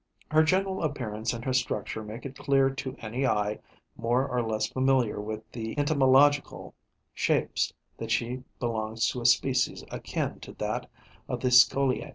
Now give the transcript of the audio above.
Her general appearance and her structure make it clear to any eye more or less familiar with entomological shapes that she belongs to a species akin to that of the Scoliae.